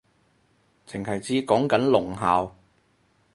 剩係知講緊聾校